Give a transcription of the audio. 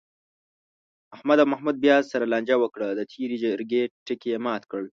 احمد او محمود بیا سره لانجه وکړه، د تېرې جرگې ټکی یې مات کړ.